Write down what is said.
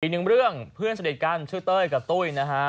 อีกหนึ่งเรื่องเพื่อนสนิทกันชื่อเต้ยกับตุ้ยนะฮะ